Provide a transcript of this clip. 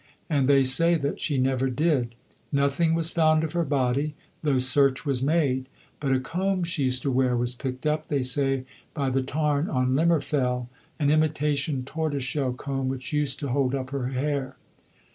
And they say that she never did. Nothing was found of her body, though search was made; but a comb she used to wear was picked up, they say, by the tarn on Limmer Fell, an imitation tortoise shell comb which used to hold up her hair.